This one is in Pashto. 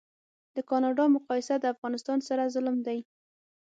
د کانادا مقایسه د افغانستان سره ظلم دی